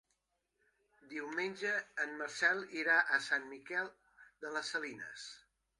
Diumenge en Marcel irà a Sant Miquel de les Salines.